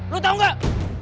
lu tau gak